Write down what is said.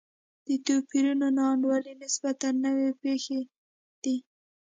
د توپیرونو نا انډولي نسبتا نوې پېښې دي.